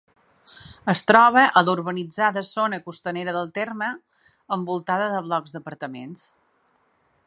Es troba a la urbanitzada zona costanera del terme, envoltada de blocs d’apartaments.